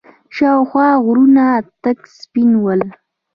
شاوخوا غرونه تک سپين ول.